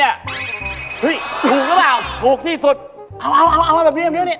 เฮ้ยถูกแล้วหรือเปล่าถูกที่สุดเอาแบบนี้